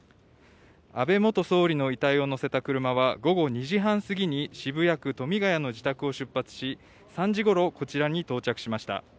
安倍元総理の遺体を乗せた車は午後２時半過ぎに、渋谷区富ヶ谷の自宅を出発し、３時ごろ、こちらに到着しました。